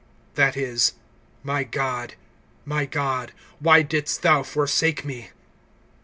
That is: My God, my God, why didst thou forsake me?